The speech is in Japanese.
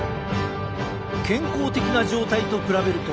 健康的な状態と比べると全然違う！